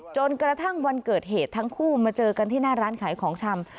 จนกระทั่งวันเกิดเหตุทั้งคู่มาเจอกันที่หน้าร้านขายของชำ